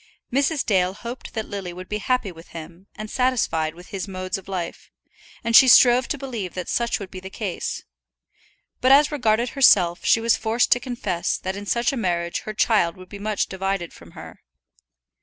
Mrs. Dale hoped that Lily would be happy with him, and satisfied with his modes of life, and she strove to believe that such would be the case; but as regarded herself she was forced to confess that in such a marriage her child would be much divided from her.